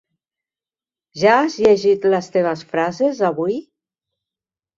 Ja has llegit les teves frases, avui?